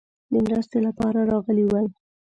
د مرستې لپاره راغلي ول.